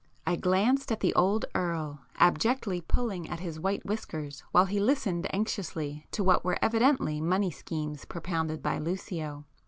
I glanced at the old earl, abjectly pulling at his white whiskers while he listened anxiously to what were evidently money schemes propounded by Lucio.